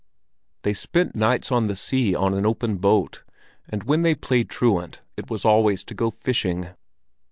They spent nights on the sea on an open boat, and when they played truant it was always to go fishing.